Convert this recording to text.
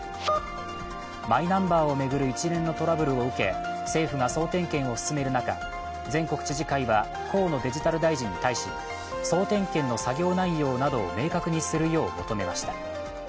マイナンバーを巡る一連のトラブルを受け政府が総点検を進める中全国知事会は河野デジタル大臣に対し、総点検の作業内容などを明確にするよう求めました。